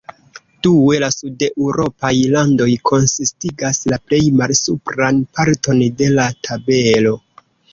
Due, la sudeŭropaj landoj konsistigas la plej malsupran parton de la tabelo.